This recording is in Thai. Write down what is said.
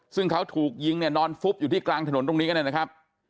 ซึ่งเขาถูกยิงเนี่ยนอนฟุบอยู่ที่กลางถนนตรงนี้กันเนี่ยนะครับ